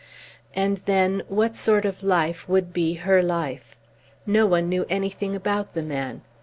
And then, what sort of life would be her life? No one knew anything about the man.